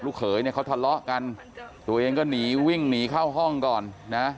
เขยเนี่ยเขาทะเลาะกันตัวเองก็หนีวิ่งหนีเข้าห้องก่อนนะ